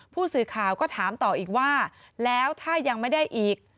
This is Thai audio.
ผู้สื่อข่าวก็ถามต่ออีกว่าแล้วถ้ายังไม่ได้อีก